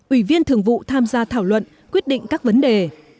ủy viên thường vụ tham gia thảo luận quyết định các vấn đề